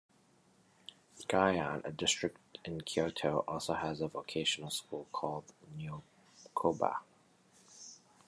Gion, a district in Kyoto, also has a vocational school, called "Nyokoba".